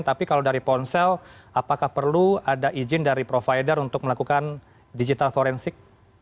tapi kalau dari ponsel apakah perlu ada izin dari provider untuk melakukan digital forensik